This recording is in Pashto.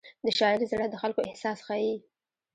د شاعر زړه د خلکو احساس ښيي.